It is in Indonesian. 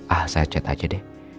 ah saya cat aja deh